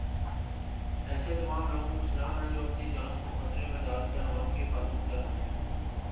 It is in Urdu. ایسے تمام لوگوں کو سلام ہے جو اپنی جان کو خطرے میں ڈال کر عوام کی حفاظت کر رہے ہیں۔